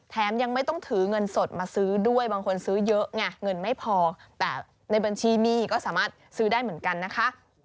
ยังไม่ต้องถือเงินสดมาซื้อด้วยบางคนซื้อเยอะไงเงินไม่พอแต่ในบัญชีมีก็สามารถซื้อได้เหมือนกันนะคะ